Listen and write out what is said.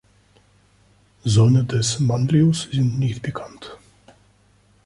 Söhne des Manlius sind nicht bekannt.